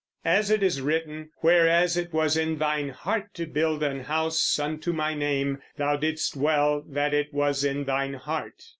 As it is written, "Whereas it was in thine heart to build an house unto my name, thou didst well that it was in thine heart."